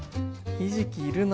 ひじきいるな。